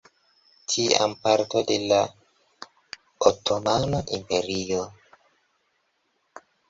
Tiam parto de la otomana imperio.